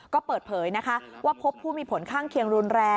ก็เปิดเผยนะคะว่าพบผู้มีผลข้างเคียงรุนแรง